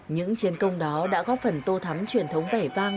những chiến công đó đã góp phần tô thắm truyền thống vẻ vang